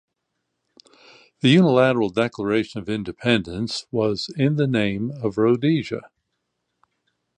The Unilateral Declaration of Independence was in the name of Rhodesia.